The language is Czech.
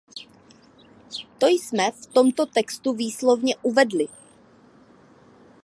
To jsme v tomto textu výslovně uvedli.